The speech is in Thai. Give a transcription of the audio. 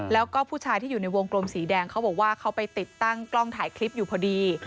แล้วก็ผู้ชายที่อยู่ในวงกลมสีแดงเขาบอกว่าเขาไปติดตั้งกล้องถ่ายคลิปอยู่พอดี